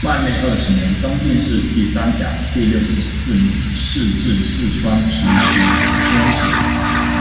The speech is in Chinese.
万历二十年，登进士第三甲第六十四名，仕至四川提学佥事。